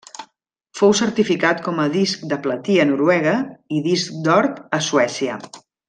Fou certificat com a disc de platí a Noruega i disc d'or a Suècia.